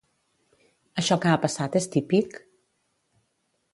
Això que ha passat és típic?